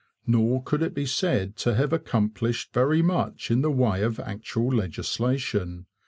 Nor could it be said to have accomplished very much in the way of actual legislation.